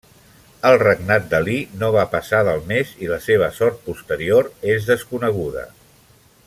El regnat d'Ali no va passar del mes, i la seva sort posterior és desconeguda.